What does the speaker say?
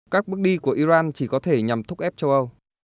các bước đi của iran chỉ có thể nhằm thúc ép châu âu